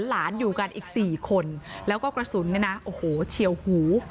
หลานอยู่กันอีก๔คนแล้วก็กระสุนเนี่ยนะโอ้โหเฉียวหู